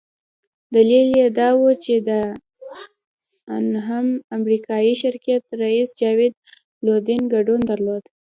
دلیل یې دا وو چې د انهم امریکایي شرکت رییس جاوید لودین ګډون درلود.